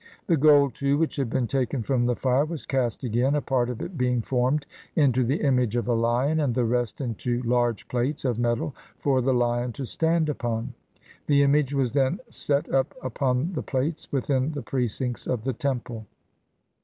The gold, too, which had been taken from the fire, was cast again, a part of it being formed into the image of a lion, and the rest into large plates of metal for the lion to stand upon. The image was then set up upon the plates, within the precincts of the temple.